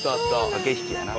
駆け引きやな。